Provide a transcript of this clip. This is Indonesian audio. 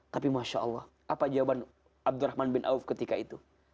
tapi masha'allah apa jawaban abdurrahman bin auf ketika itu